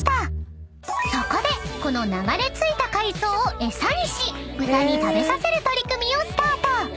［そこでこの流れ着いた海藻を餌にし豚に食べさせる取り組みをスタート］